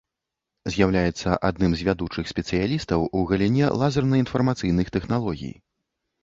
З'яўляецца адным з вядучых спецыялістаў у галіне лазерна-інфармацыйных тэхналогій.